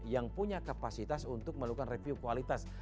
yang punya kapasitas untuk melakukan review kualitas